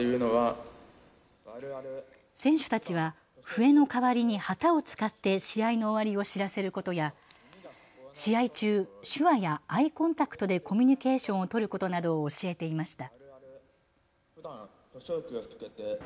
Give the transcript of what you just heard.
選手たちは笛の代わりに旗を使って試合の終わりを知らせることや、試合中、手話やアイコンタクトでコミュニケーションを取ることなどを教えていました。